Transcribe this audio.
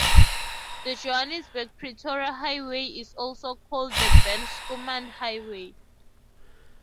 The Johannesburg-Pretoria highway is also called the Ben Schoeman Highway.